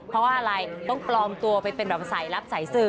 เพราะว่าอะไรต้องปลอมตัวไปเป็นแบบสายลับสายสื่อ